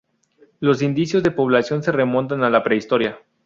Los indicios de población se remontan a la Prehistoria.